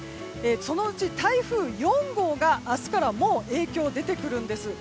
そのうち台風４号が明日からもう影響が出てくるんです。